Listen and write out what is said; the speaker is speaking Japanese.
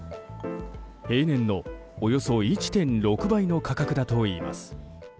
平年のおよそ１．６倍の価格だといいます。